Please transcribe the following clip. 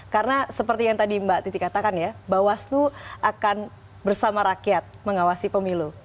karena seperti yang tadi mbak titi katakan ya bawaslu akan bersama rakyat mengawasi pemilu